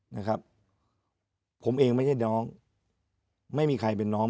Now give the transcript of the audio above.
นะครับผมเองไม่ใช่น้องไม่มีใครเป็นน้อง